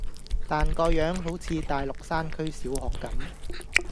但個樣好似大陸山區小學咁⠀